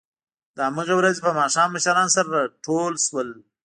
د همهغې ورځې په ماښام مشران سره ټول شول